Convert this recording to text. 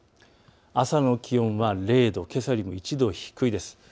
朝の気温は０度、けさよりも１度低いです。